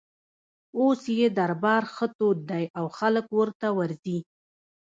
اوس یې دربار ښه تود دی او خلک ورته ورځي.